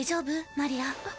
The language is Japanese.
マリア。